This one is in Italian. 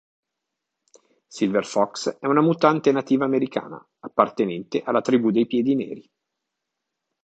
Silver Fox è una mutante nativa americana, appartenente alla tribù dei Piedi Neri.